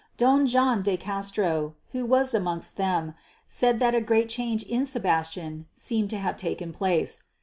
Don John de Castro, who was amongst them, said that a great change in Sebastian seemed to have taken place.